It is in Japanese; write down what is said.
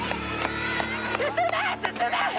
進め！進め！